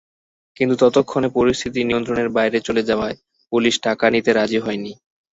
কিন্তু ততক্ষণে পরিস্থিতি নিয়ন্ত্রণের বাইরে চলে যাওয়ায় পুলিশ টাকা নিতে রাজি হয়নি।